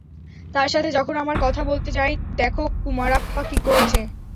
তার সাথে যখন আমরা কথা বলতে যাই, দেখ কুমারাপ্পা কী করেছে!